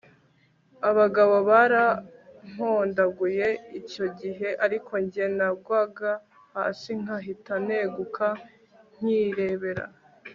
abagabo barampondaguye icyo gihe ariko njye nagwaga hasi nkahita neguka nkirebera